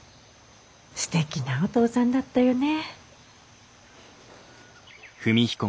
すてきなお父さんだったよね。